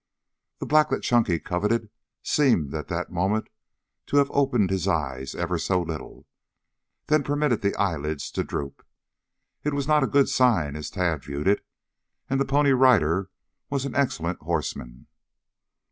The black that Chunky coveted seemed, at that moment, to have opened his eyes ever so little, then permitted the eyelids to droop. It was not a good sign as Tad viewed it, and the Pony Rider was an excellent horseman.